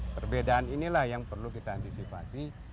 perbedaan inilah yang perlu kita antisipasi